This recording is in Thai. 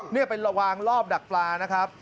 นี่ไปวางรอบดักปลานะครับ